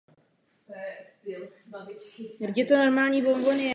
Starý kupec odjíždí a loučí se se svou mladou chotí Dorotou.